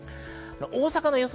大阪の予想